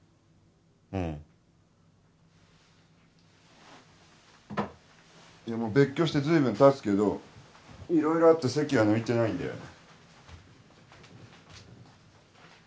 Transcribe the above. うんもう別居して随分たつけど色々あって籍は抜いてないんだよね